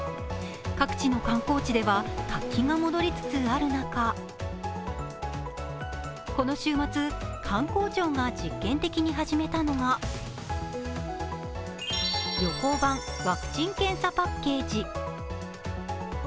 各地の観光地では活気が戻りつつある中、この週末、官公庁が実験的に始めたのが旅行版「ワクチン・検査パッケージ」。